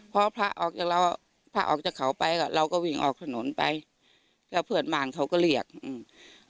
พอพระออกจากเราพระออกจากเขาไปก็เราก็วิ่งออกถนนไปแล้วเพื่อนบ้านเขาก็เรียกอืม